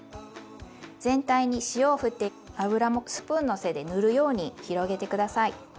全体に塩をふって油もスプーンの背で塗るように広げて下さい。